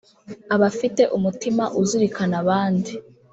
Abafite umutima uzirikana abandi